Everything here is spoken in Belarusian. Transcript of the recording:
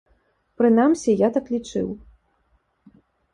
Прынамсі, я так лічыў.